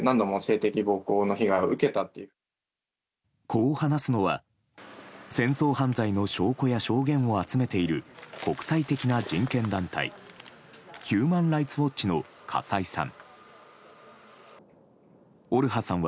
こう話すのは戦争犯罪の証拠や証言を集めている国際的な人権団体ヒューマン・ライツ・ウォッチの笠井さん。